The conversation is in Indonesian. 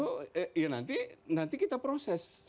ya itu eh nanti nanti kita proses